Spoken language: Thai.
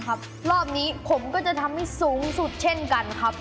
รอบนี้ผมก็จะทำให้สูงสุดเช่นกันครับ